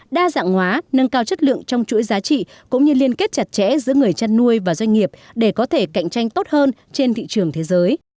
đa dạng hóa nâng cao chất lượng trong chuỗi giá trị cũng như liên kết chặt chẽ giữa người chăn nuôi và doanh nghiệp để có thể cạnh tranh tốt hơn trên thị trường thế giới